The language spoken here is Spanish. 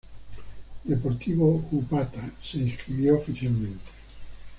Deportivo Upata se inscribió oficialmente